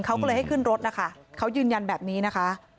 เขาก็เลยให้ขึ้นรถนะคะเขายืนยันแบบนี้นะคะ